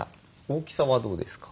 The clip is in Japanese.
大きさはどうですか？